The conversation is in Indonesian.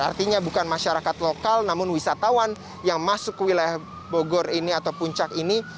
artinya bukan masyarakat lokal namun wisatawan yang masuk ke wilayah bogor ini atau puncak ini